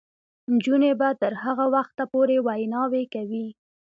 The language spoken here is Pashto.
نجونې به تر هغه وخته پورې ویناوې کوي.